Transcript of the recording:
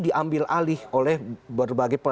diambil alih oleh berbagai